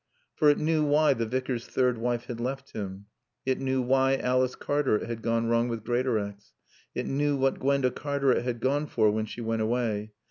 For it knew why the Vicar's third wife had left him. It knew why Alice Cartaret had gone wrong with Greatorex. It knew what Gwenda Cartaret had gone for when she went away.